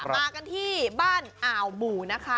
มากันที่บ้านอ่าวหมู่นะคะ